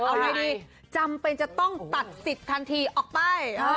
เอาไงดีจำเป็นจะต้องตัดสิทธิ์ทันทีออกไป